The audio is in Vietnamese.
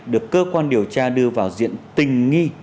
được cơ quan điều tra đưa vào diện tình nghi